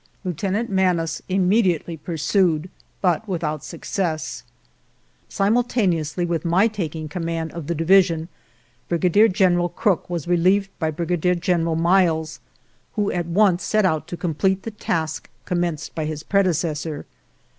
Lieutenant Manus immediately pur sued, but without success. ...'.•■" Simultaneously with my taking com mand of the division Brigadier General Crook was relieved by Brigadier General Miles, who at once set out to complete the task commenced by his predecessor.